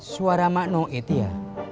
suara makna itu ya